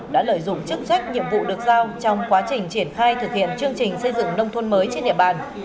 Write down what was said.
đã lợi dụng chức trách nhiệm vụ được giao trong quá trình triển khai thực hiện chương trình xây dựng nông thôn mới trên địa bàn